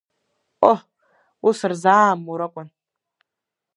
Ҟоҳ, ус рзаамур акәын!